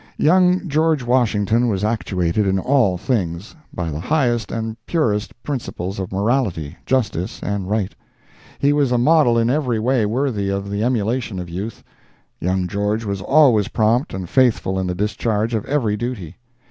Young George Washington was actuated in all things, by the highest and purest principles of morality, justice and right. He was a model in every way worthy of the emulation of youth. Young George was always prompt and faithful in the discharge of every duty.